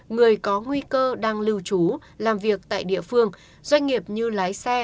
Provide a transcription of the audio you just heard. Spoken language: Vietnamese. người có nguy cơ đang lưu trú làm việc tại địa phương doanh nghiệp như lái xe